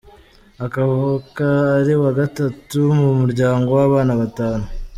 Avuka ari uwa gatatu mu muryango w’abana batanu.